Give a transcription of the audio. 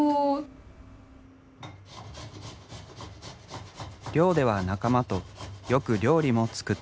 寮では仲間とよく料理も作っていた。